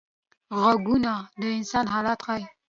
غږونه د انسان حالت ښيي